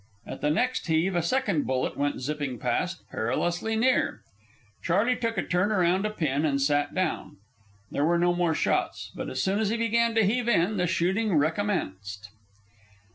At the next heave a second bullet went zipping past, perilously near. Charley took a turn around a pin and sat down. There were no more shots. But as soon as he began to heave in, the shooting recommenced.